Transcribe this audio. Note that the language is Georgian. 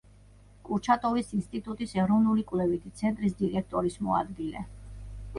კურჩატოვის ინსტიტუტის ეროვნული კვლევითი ცენტრის დირექტორის მოადგილე.